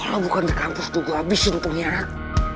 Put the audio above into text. kalau lo bukan di kampus tuh gue abisin pengirat